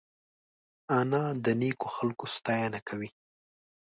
انا د نیکو خلکو ستاینه کوي